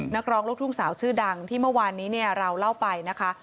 นักร้องลูกทุ่งสาวชื่อดังที่เมื่อวานนี้เนี่ยเราเล่าไปนะคะ